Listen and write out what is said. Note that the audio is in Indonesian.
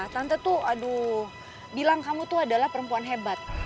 tante tuh aduh bilang kamu tuh adalah perempuan hebat